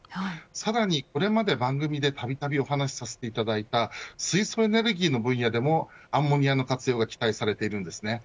さらに、これまで番組でたびたびお話させていただいた水素エネルギーの分野でもアンモニアの活用が期待されているんですね。